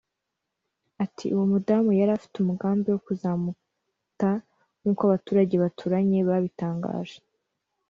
Ati “uwo mudamu yari afite umugambi wo kuzamuta nkuko abaturage baturanye babitangaje